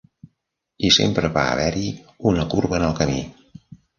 I sempre va haver-hi una corba en el camí!